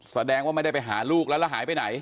แสดงว่าไม่ได้ไปหาลูกแล้วแล้วหายไปไหน